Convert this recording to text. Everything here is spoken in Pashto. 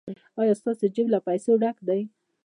ایا ستاسو جیب له پیسو ډک دی؟